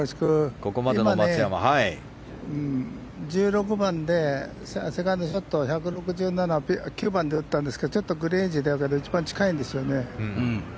今、１６番でセカンドショットを１６７９番で打ったんですけどちょっとグリーンエッジでレベルが一番近いんですよね。